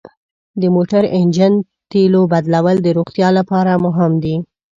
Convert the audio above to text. د موټر انجن تیلو بدلول د روغتیا لپاره مهم دي.